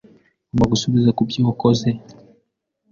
Ugomba gusubiza kubyo wakoze.